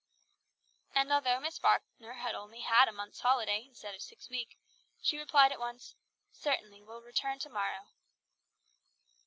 And though Miss Falkner had only had a month's holiday, instead of six weeks, she replied at once "Certainly, will return to morrow."